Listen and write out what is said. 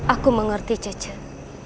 aku mengerti cicek